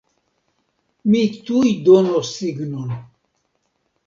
Mi tuj donos signon!